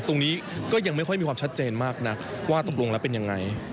ตรงนี้ก็ยังไม่ค่อยมีความชัดเจนมากนักว่าตกลงแล้วเป็นยังไง